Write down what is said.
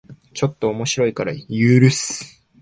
ちょっと面白いから許す